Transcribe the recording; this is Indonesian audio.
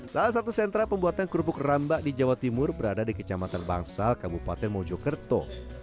salah satu sentra pembuatan kerupuk rambak di jawa timur berada di kecamatan bangsal kabupaten mojokerto